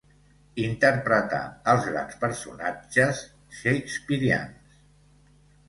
Interpretà els grans personatges shakespearians.